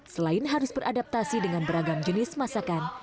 selain harus beradaptasi dengan beragam jenis masakan